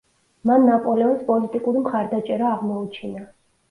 მან ნაპოლეონს პოლიტიკური მხარდაჭერა აღმოუჩინა.